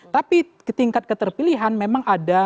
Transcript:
tapi tingkat keterpilihan memang ada